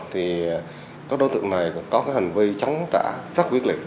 thì các đối tượng này có hành vi chống trả rất quyết liệt